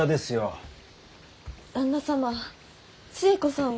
旦那様寿恵子さんは。